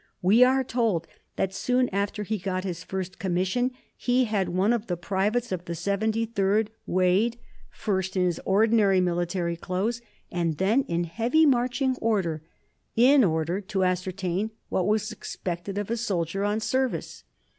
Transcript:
We are told that soon after he got his first commission he had one of the privates of the Seventy third weighed, first in his ordinary military clothes, and then in heavy marching order, in order to ascertain what was expected of a soldier on service.